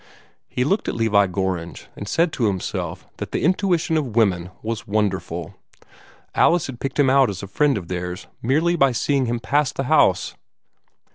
He looked at Levi Gorringe, and said to himself that the intuition of women was wonderful. Alice had picked him out as a friend of theirs merely by seeing him pass the house.